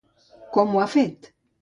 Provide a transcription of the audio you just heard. Com ho ha fet?